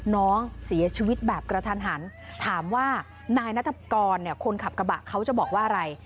น้องเสียชีวิตแบบกระทันหันถามว่านายนัฐกรเนี่ยคนขับกระบะเขาจะบอกว่าอะไร